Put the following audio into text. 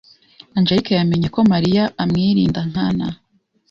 Angelique yamenye ko Mariya amwirinda nkana.